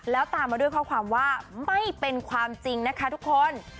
แล้วตามมาด้วยข้อความว่าไม่เป็นความจริงนะคะทุกคน